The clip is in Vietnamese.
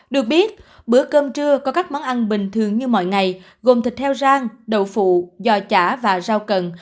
được biết bữa cơm trưa có các món ăn bình thường như mọi ngày gồm thịt heo rang đầu phụ giò chả và rau cần